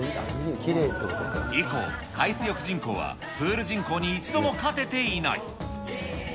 以降、海水浴人口はプール人口に一度も勝てていない。